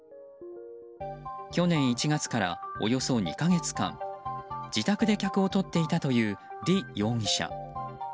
去年１月から、およそ２か月間自宅で客を取っていたというリ容疑者。